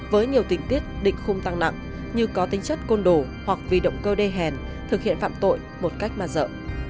với nhiều tình tiết định khung tăng nặng như có tính chất côn đồ hoặc vì động cơ đê hèn thực hiện phạm tội một cách ma dở